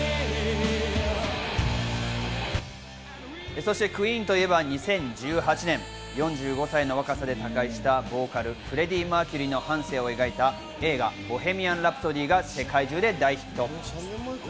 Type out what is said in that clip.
そしてＱＵＥＥＮといえば２０１８年、４５歳の若さで他界したボーカル、フレディ・マーキュリーの半生を描いた映画『ボヘミアン・ラプソディ』が世界中で大ヒット。